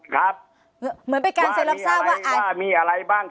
ครับเหมือนเป็นการเซ็นรับทราบว่าว่ามีอะไรบ้าง